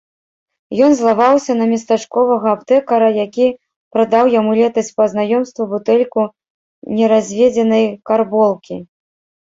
Ён злаваўся на местачковага аптэкара, які прадаў яму летась па знаёмству бутэльку неразведзенай карболкі.